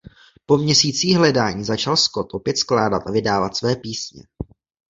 Po měsících hledání začal Scott opět skládat a vydávat své písně.